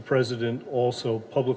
presiden juga mengatakan secara publik